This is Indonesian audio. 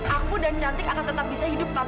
aku dan cantik akan tetap bisa hidup tanpa kamu